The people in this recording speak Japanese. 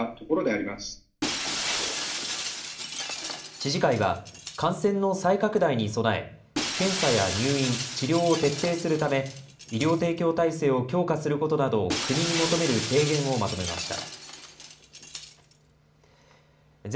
知事会は、感染の再拡大に備え、検査や入院、治療を徹底するため、医療提供体制を強化することなどを国に求める提言をまとめました。